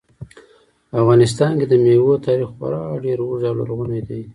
په افغانستان کې د مېوو تاریخ خورا ډېر اوږد او لرغونی دی.